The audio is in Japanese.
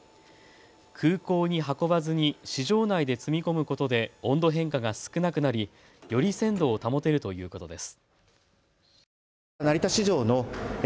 空港に運ばずに市場内で積み込むことで温度変化が少なくなり、より鮮度を保てるということです。